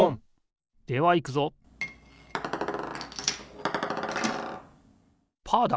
ではいくぞパーだ！